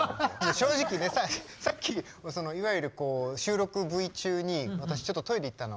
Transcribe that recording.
正直ねさっきいわゆる収録Ｖ中に私ちょっとトイレ行ったの。